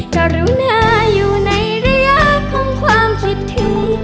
กรุณาอยู่ในระยะของความคิดถึง